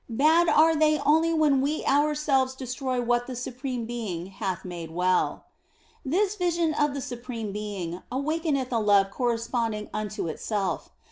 Bad are they only when we ourselves destroy what the Supreme Being hath made well. 130 THE BLESSED ANGELA This vision of the Supreme Being awakeneth a love corresponding unto itself.